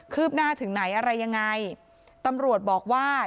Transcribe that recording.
ืบหน้าถึงไหนอะไรยังไงตำรวจบอกว่า